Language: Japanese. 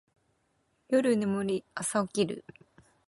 夜眠り、朝起きる